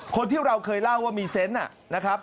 คนที่เราเคยเล่าว่ามีเซนต์นะครับ